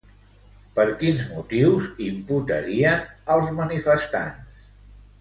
Per quins motius imputarien als manifestants?